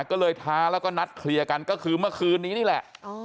ก็เลยท้าแล้วก็นัดเคลียร์กันก็คือเมื่อคืนนี้นี่แหละ